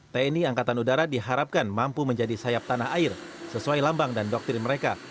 tni angkatan udara diharapkan mampu menjadi sayap tanah air sesuai lambang dan doktrin mereka